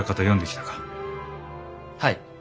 はい。